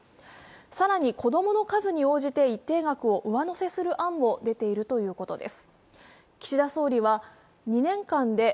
更に、子供の数に応じて一定額を上乗せする案も出ているということです。